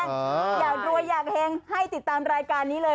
อยากรวยอยากเฮงให้ติดตามรายการนี้เลย